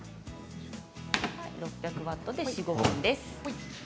６００ワットで４分から５分です。